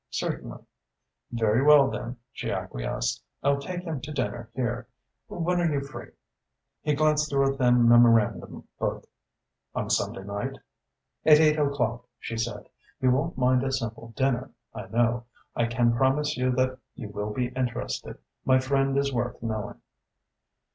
"Certainly." "Very well, then," she acquiesced, "I'll ask him to dinner here. When are you free?" He glanced through a thin memorandum book. "On Sunday night?" "At eight o'clock," she said. "You won't mind a simple dinner, I know. I can promise you that you will be interested. My friend is worth knowing."